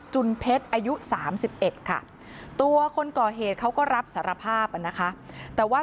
จุนเพชรอายุ๓๑ค่ะตัวคนก่อเหตุเขาก็รับสารภาพนะคะแต่ว่า